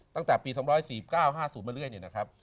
ตั้งแต่ปี๒๔๙๕๐มาเรื่อยเนี่ยนะครับ